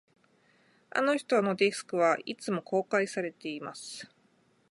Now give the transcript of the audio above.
あの人のデスクは、いつも公開されています